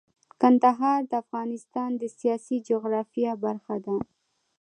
کندهار د افغانستان د سیاسي جغرافیه برخه ده.